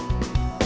oke sampai jumpa